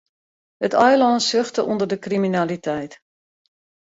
It eilân suchte ûnder de kriminaliteit.